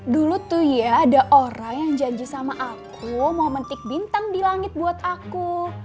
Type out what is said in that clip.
dulu tuh ya ada orang yang janji sama aku mau mentik bintang di langit buat aku